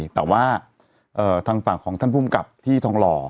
แต่ว่าทางฝั่งของท่านภูมิกับที่ทองหล่อ